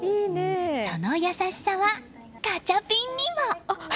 その優しさは、ガチャピンにも！